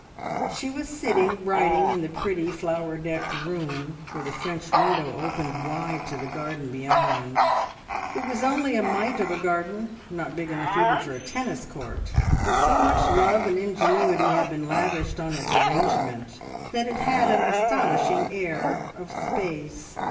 She was sitting writing in the pretty, flower decked room, where the French window opened wide to the garden beyond. It was only a mite of a garden, not big enough for even a tennis court, but so much love and ingenuity had been lavished on its arrangement that it had an astonishing air of space.